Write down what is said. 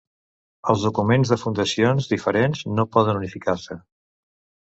Els documents de fundacions diferents, no poden unificar-se.